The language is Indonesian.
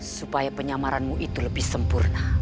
supaya penyamaranmu itu lebih sempurna